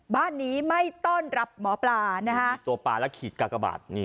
บ้านนี้ไม่ต้อนรับหมอปลาตัวปลารักษีกากบาท